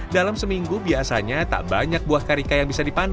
dalam seminggu biasanya tak banyak buah karika yang bisa dipanen